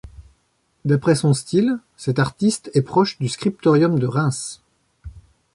D'après son style, cet artiste est proche du scriptorium de Reims.